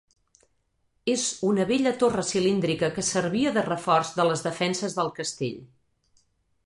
És una bella torre cilíndrica que servia de reforç de les defenses del castell.